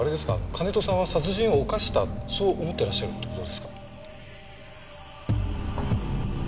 金戸さんは殺人を犯したそう思ってらっしゃるって事ですか？